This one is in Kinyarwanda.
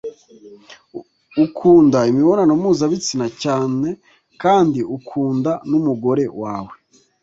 ukunda imibonano mpuzabitsina cyane kandi ukunda n’umugore wawe